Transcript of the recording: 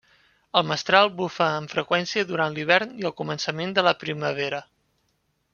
El mestral bufa amb freqüència durant l'hivern i al començament de la primavera.